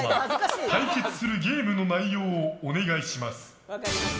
ゲスト様、対決するゲームの内容をお願いします。